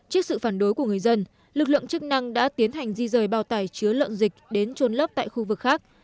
trước sự phản đối của người dân lực lượng chức năng đã tiến hành di rời bào tải chứa lợn dịch đến trôn lấp tại khu vực khác